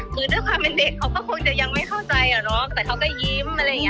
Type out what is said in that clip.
คือด้วยความเป็นเด็กเขาก็คงจะยังไม่เข้าใจอะเนาะแต่เขาก็ยิ้มอะไรอย่างนี้